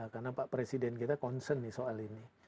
karena pak presiden kita concern nih soal ini